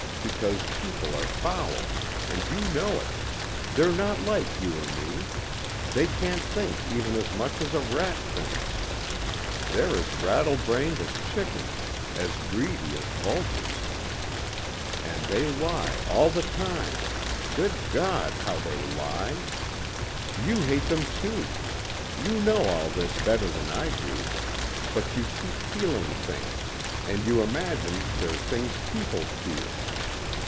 Because people are foul. And you know it. They're not like you or me. They can't think even as much as a rat thinks. They're as rattle brained as chickens, as greedy as vultures. And they lie all the time good God, how they lie. You hate them too. You know all this better than I do. But you keep feeling things and you imagine they're things people feel.